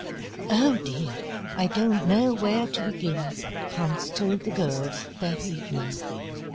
"Oh, dear, I don't know where to begin," Hans told the girls that evening.